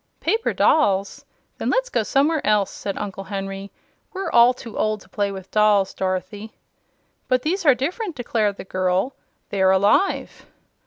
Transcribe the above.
"Paper dolls! Then let's go somewhere else," said Uncle Henry. "We're all too old to play with dolls, Dorothy." "But these are different," declared the girl. "They're alive."